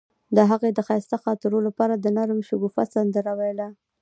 هغې د ښایسته خاطرو لپاره د نرم شګوفه سندره ویله.